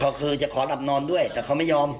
เขาเคยจะขอหลับนอนด้วยแต่เขาไม่ยอม